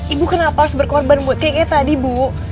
ibu kenapa harus berkorban buat kay kayak tadi ibu